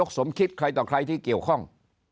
สมคิดใครต่อใครที่เกี่ยวข้อง